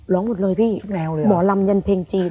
ร้องหมดเลยพี่หมอลำยันเพลงจีน